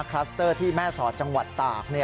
คลัสเตอร์ที่แม่สอดจังหวัดตาก